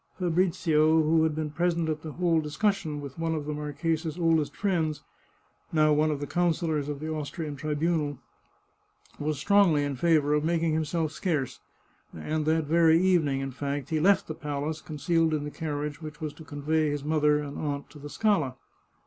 Fabrizio, who had been present at the whole discussion with one of the marchesa's oldest friends, now one of the councillors of the Austrian Tribunal, was strongly in favour of making himself scarce, and that very evening, in fact, he left the palace, concealed in the carriage which was to convey his mother and aunt to the Scala.